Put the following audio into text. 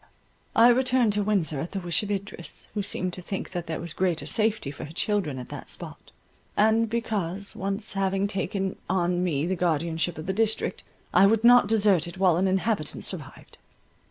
I returned to Windsor at the wish of Idris, who seemed to think that there was greater safety for her children at that spot; and because, once having taken on me the guardianship of the district, I would not desert it while an inhabitant survived.